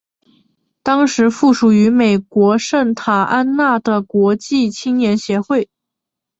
当时附属于美国圣塔安娜的国际青年协会。